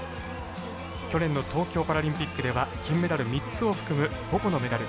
去年の東京パラリンピックでは金メダル３つを含む５個のメダル。